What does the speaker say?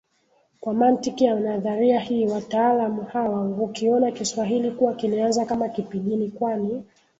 Kwa mantiki ya nadharia hii wataalamu hawa hukiona Kiswahili kuwa kilianza kama Kipijini kwani